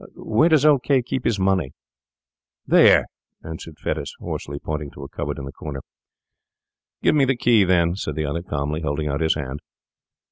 Where does old K— keep his money?' 'There,' answered Fettes hoarsely, pointing to a cupboard in the corner. 'Give me the key, then,' said the other, calmly, holding out his hand.